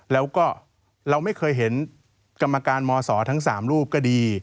แล้วก็เราไม่เคยเห็นกรรมการมศทั้ง๓รูปก็ดี